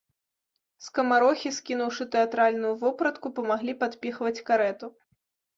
Скамарохі, скінуўшы тэатральную вопратку, памаглі падпіхваць карэту.